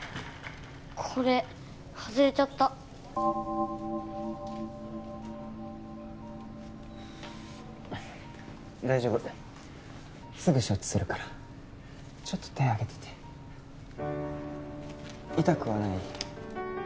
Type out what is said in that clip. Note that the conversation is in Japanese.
これ外れちゃった大丈夫すぐ処置するからちょっと手上げてて痛くはない？